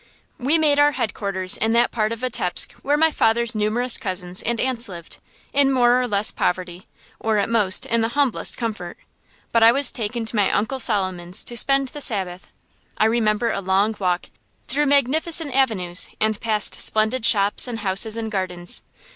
We made our headquarters in that part of Vitebsk where my father's numerous cousins and aunts lived, in more or less poverty, or at most in the humblest comfort; but I was taken to my Uncle Solomon's to spend the Sabbath. I remember a long walk, through magnificent avenues and past splendid shops and houses and gardens.